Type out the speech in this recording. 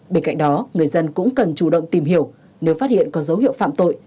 bên cạnh đó người dân cũng cần chủ động tìm hiểu nếu phát hiện có dấu hiệu phạm tội